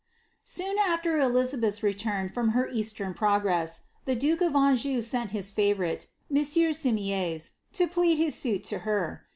Soon after Elizabeth's return from ber eastern progress, ihe duke of Anjou sent his favourite, monsieur Simiers, to plead his suit lo her.